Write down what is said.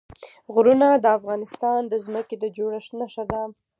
غرونه د افغانستان د ځمکې د جوړښت نښه ده.